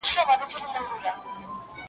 زړه ښځه وه یوازي اوسېدله .